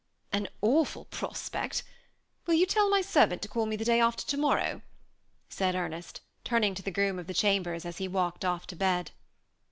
"" An awful prospect ! Will you tell my servant to call me the day afler to morrow ?" said Ernest, turning to the groom of the chambers as he walked off to bed.